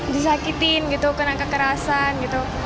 disakitin gitu kena kekerasan gitu